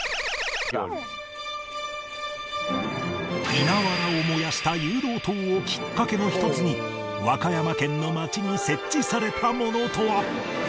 稲わらを燃やした誘導灯をきっかけの一つに和歌山県の町に設置されたものとは？